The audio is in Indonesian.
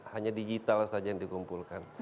hanya digital saja yang dikumpulkan